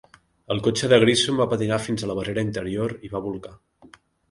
El cotxe de Grissom va patinar fins a la barrera interior i va bolcar.